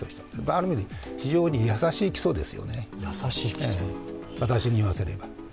ある意味、非常に優しい起訴ですよね、私に言わせれば。